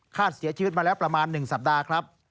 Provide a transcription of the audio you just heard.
เสียชีวิตมาแล้วประมาณ๑สัปดาห์ครับ